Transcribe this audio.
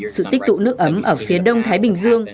sự tích tụ nước ấm ở phía đông thái bình dương